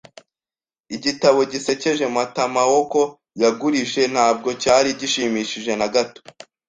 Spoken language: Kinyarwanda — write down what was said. Igitabo gisekeje Matamaoko yangurije ntabwo cyari gishimishije na gato.